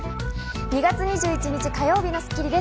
２月２１日、火曜日の『スッキリ』です。